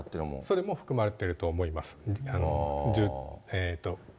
それも含まれていると思います。